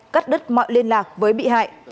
cắt đất mọi liên lạc với bị hại